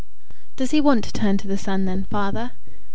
"Does he want to turn to the Sun, then, father?"